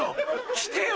来てよ！